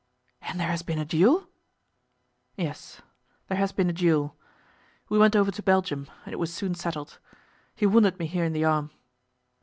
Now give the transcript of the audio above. "And there has been a duel?" "Yes; there has been a duel. We went over to Belgium, and it was soon settled. He wounded me here in the arm."